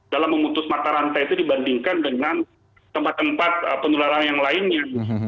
dalam memutus mata rantai itu dibandingkan dengan tempat tempat penularan yang lainnya